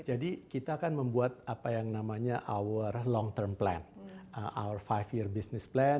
kita akan membuat apa yang namanya our long term plan our five year business plan